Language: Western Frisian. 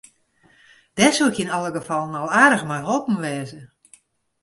Dêr soe ik yn alle gefallen al aardich mei holpen wêze.